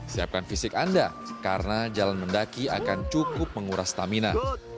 siapkan fisik anda karena jalan mendaki akan cukup menguras stamina